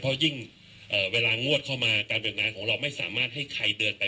เพราะยิ่งเวลางวดเข้ามาการเดินงานของเราไม่สามารถให้ใครเดินไป